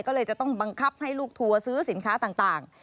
ก็เลยจะต้องบังคับให้ลูกทัวร์ซื้อสินค้าต่าง